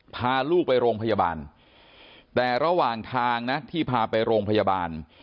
พาลูกไปโรงพยาบาลแต่ระหว่างทางนะที่พาไปโรงพยาบาล